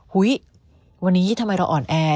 เฮ้ยวันนี้ทำไมเราอ่อนแอ